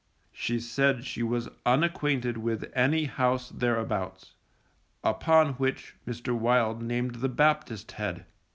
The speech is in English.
_ She said she was unacquainted with any house thereabouts, upon which Mr. Wild named the Baptist Head.